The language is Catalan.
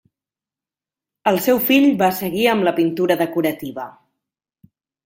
El seu fill va seguir amb la pintura decorativa.